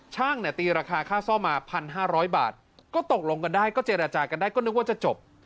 ตีราคาค่าซ่อมมา๑๕๐๐บาทก็ตกลงกันได้ก็เจรจากันได้ก็นึกว่าจะจบ